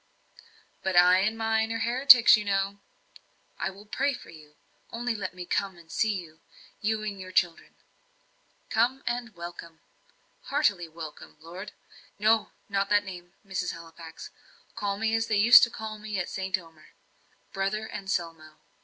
"But I and mine are heretics, you know!" "I will pray for you. Only let me come and see you you and your children." "Come, and welcome." "Heartily welcome, Lord " "No not that name, Mrs. Halifax. Call me as they used to call me at St. Omer Brother Anselmo."